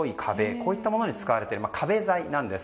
こういったものに使われている壁材なんです。